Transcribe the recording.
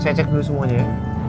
saya cek dulu semuanya